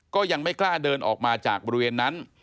ก็ยังไม่กล้าเดินออกมาจากบริเวณนั้น